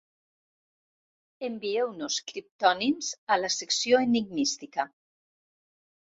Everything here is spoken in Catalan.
Envieu-nos criptònims a la Secció Enigmística.